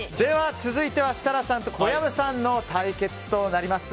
続いては設楽さんと小籔さんの対決となります。